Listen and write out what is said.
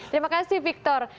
terima kasih victor